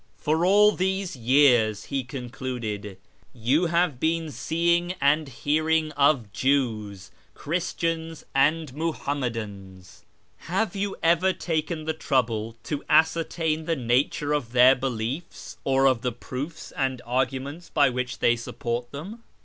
" For all these years," he concluded, " you have been seeing and hearing of Jews, Christians, and Muhammadans : have you ever taken the trouble to ascertain the nature of their beliefs, or of the proofs and arguments by which they support them